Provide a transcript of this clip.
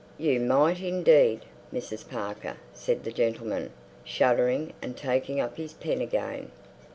"You might, indeed, Mrs. Parker!" said the gentleman, shuddering, and taking up his pen again.